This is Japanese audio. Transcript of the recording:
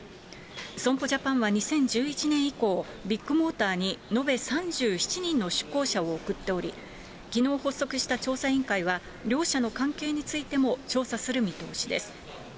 損保ジャパンは２０１１年以降、ビッグモーターに延べ３７人の出向者を送っており、きのう発足した調査委員会は、両社の関係についても調査する見通しです。